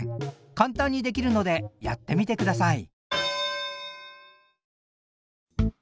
簡単にできるのでやってみてください！